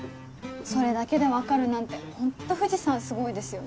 それだけで分かるなんてホント藤さんすごいですよね。